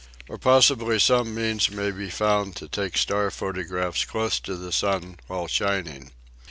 Or possibly some means may be found to take star photographs close to the sun while shining.